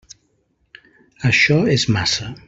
Això és massa.